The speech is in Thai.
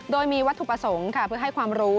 โดยมีวัตถุประสงค์ค่ะเพื่อให้ความรู้